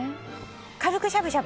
軽くしゃぶしゃぶ？